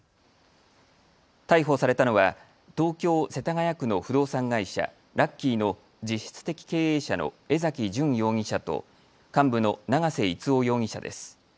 逮捕されたのは東京世田谷区の不動産会社、ラッキーの実質的経営者の江崎純容疑者と幹部の長せ一生容疑者です。